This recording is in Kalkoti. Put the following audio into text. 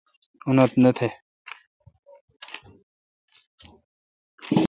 اُنت نہ تہ۔